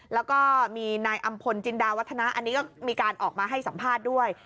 แล้วก็มีนายอำพลจินดาวัฒนะอันนี้ก็มีการออกมาให้สัมภาษณ์ด้วย